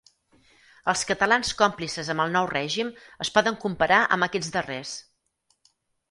Els catalans còmplices amb el nou règim es poden comparar amb aquests darrers.